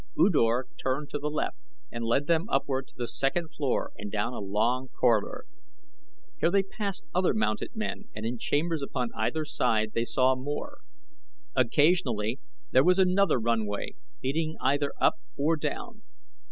U Dor turned to the left and led them upward to the second floor and down a long corridor. Here they passed other mounted men and in chambers upon either side they saw more. Occasionally there was another runway leading either up or down.